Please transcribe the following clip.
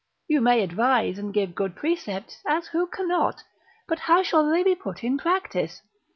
You may advise and give good precepts, as who cannot? But how shall they be put in practice?